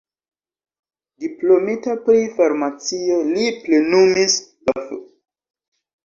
Diplomita pri farmacio, li plenumis la oficon de fakdelegito.